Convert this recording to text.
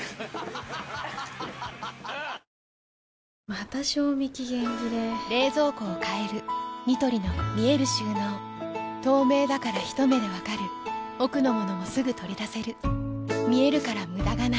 また賞味期限切れ冷蔵庫を変えるニトリの見える収納透明だからひと目で分かる奥の物もすぐ取り出せる見えるから無駄がないよし。